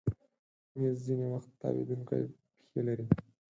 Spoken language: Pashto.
مېز ځینې وخت تاوېدونکی پښې لري.